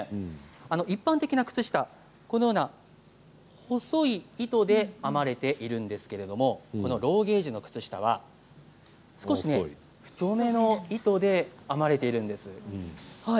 一般的な靴下はこのような細い糸で編まれているんですけれどもこのローゲージの靴下は少し太めの糸で編まれているんです。